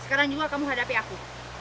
sekarang juga kamu hadapi aku